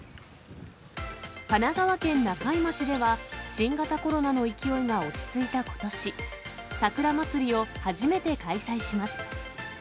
神奈川県中井町では、新型コロナの勢いが落ち着いたことし、桜祭りを初めて開催します。